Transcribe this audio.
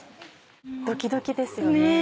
ドキドキですよね。